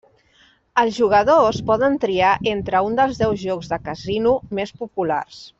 Els jugadors poden triar entre un dels deu jocs de casino més populars.